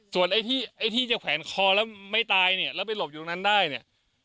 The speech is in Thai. ส่วนไอ้ที่ไอ้ที่จะแขวนคอแล้วไม่ตายเนี่ยแล้วไปหลบอยู่ตรงนั้นได้เนี่ย